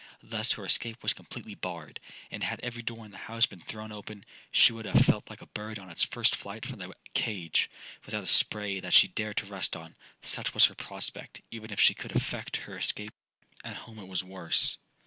Thus her escape was completely barred; and had every door in the house been thrown open, she would have felt like a bird on its first flight from the cage, without a spray that she dared to rest on. Such was her prospect, even if she could effect her escape—at home it was worse.